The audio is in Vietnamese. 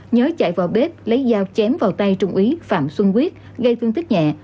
nhớ chạy vào bếp lấy dao chém vào tay trung ý phạm xuân quyết gây phương tích nhẹ